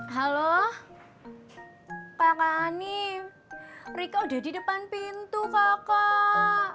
halo pakani mereka udah di depan pintu kakak